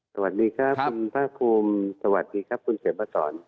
สวัสดีครับคุณพระคุมสวัสดีครับคุณเศรษฐศร